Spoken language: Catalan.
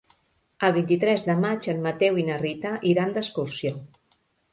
El vint-i-tres de maig en Mateu i na Rita iran d'excursió.